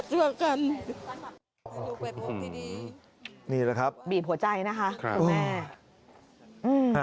นี่แหละครับครับคุณแม่บีบหัวใจนะคะคุณแม่